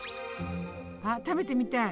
あ食べてみたい！